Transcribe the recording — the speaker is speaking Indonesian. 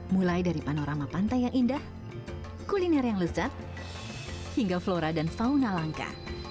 mulai dari panorama pantai yang indah kuliner yang lezat hingga flora dan fauna langka